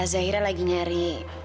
zahira lagi nyari